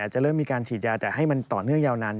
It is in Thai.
จะเริ่มมีการฉีดยาแต่ให้มันต่อเนื่องยาวนาน